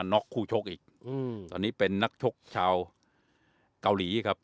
็อกคู่ชกอีกอืมตอนนี้เป็นนักชกชาวเกาหลีครับ